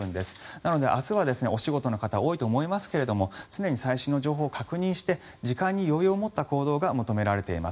なので、明日はお仕事の方、多いと思いますが常に最新の情報を確認して時間に余裕を持った行動が求められています。